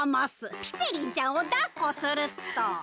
ピペリンちゃんをだっこすると。